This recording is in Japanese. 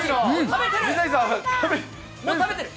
食べてる。